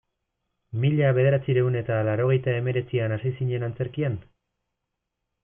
Mila bederatziehun eta laurogeita hemeretzian hasi zinen antzerkian?